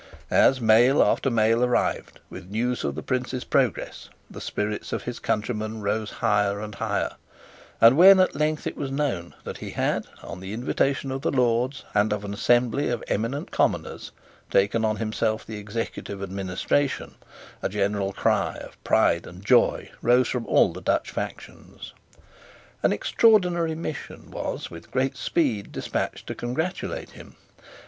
As mail after mail arrived with news of the Prince's progress, the spirits of his countrymen rose higher and higher; and when at length it was known that he had, on the invitation of the Lords and of an assembly of eminent commoners, taken on himself the executive administration, a general cry of pride and joy rose from all the Dutch factions. An extraordinary mission was, with great speed, despatched to congratulate him.